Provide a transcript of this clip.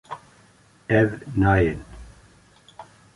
Ew nayên